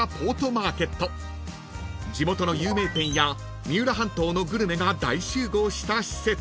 ［地元の有名店や三浦半島のグルメが大集合した施設］